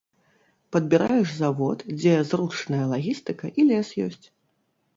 Падбіраеш завод, дзе зручная лагістыка і лес ёсць.